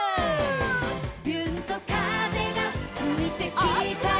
「びゅーんと風がふいてきたよ」